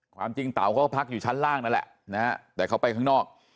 ความจริงเต๋าเขาก็พักอยู่ชั้นล่างนั่นแหละนะฮะแต่เขาไปข้างนอก